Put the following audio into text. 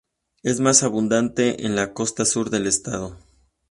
Es más abundante en la costa sur del estado.